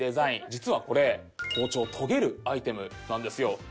実はこれ包丁を研げるアイテムなんですよ。